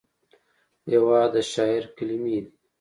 هېواد د شاعر کلمې دي.